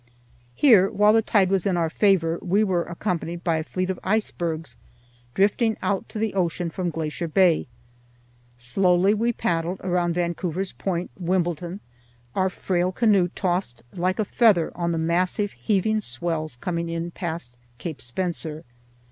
Here, while the tide was in our favor, we were accompanied by a fleet of icebergs drifting out to the ocean from Glacier Bay. Slowly we paddled around Vancouver's Point, Wimbledon, our frail canoe tossed like a feather on the massive heaving swells coming in past Cape Spenser.